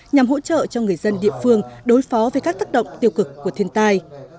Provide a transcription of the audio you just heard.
nhằm hỗ trợ cho người dân địa phương đối phó với các tác động tiêu cực của thiên tai